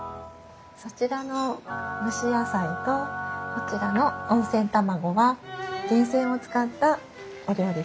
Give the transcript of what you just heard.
そちらの蒸し野菜とこちらの温泉卵は源泉を使ったお料理です。